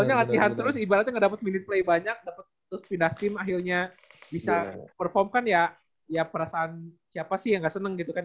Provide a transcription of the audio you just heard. soalnya latihan terus ibaratnya ngedapet minute play banyak dapet terus pindah tim akhirnya bisa perform kan ya perasaan siapa sih yang ga seneng gitu kan ya